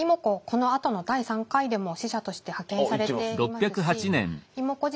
このあとの第３回でも使者として派遣されていますし妹子